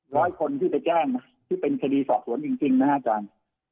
ร้อยคนที่ไปแจ้งนะที่เป็นคดีสอบสวนจริงนะครับอาจารย์